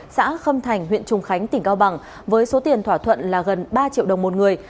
xã khâm thành huyện trùng khánh tỉnh cao bằng với số tiền thỏa thuận là gần ba triệu đồng một người